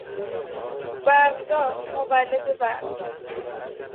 برقزا، مولد برق